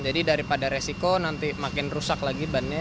jadi daripada resiko nanti makin rusak lagi bannya